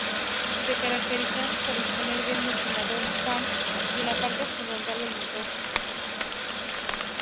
Se caracterizan por disponer de un ventilador —"fan"— en la parte frontal del motor.